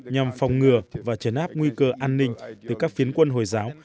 nhằm phòng ngừa và chấn áp nguy cơ an ninh từ các phiến quân hồi giáo